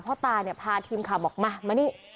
พ่อตาเนี่ยพาทีมข่าวบอกมามานี่